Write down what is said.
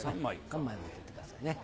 ３枚持ってってくださいね。